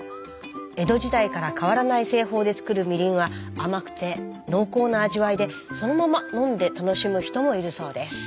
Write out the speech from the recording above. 江戸時代から変わらない製法で造るみりんは甘くて濃厚な味わいでそのまま飲んで楽しむ人もいるそうです。